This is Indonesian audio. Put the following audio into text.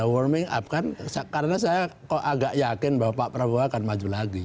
warming up kan karena saya kok agak yakin bahwa pak prabowo akan maju lagi